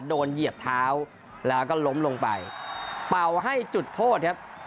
เหยียบเท้าแล้วก็ล้มลงไปเป่าให้จุดโทษครับ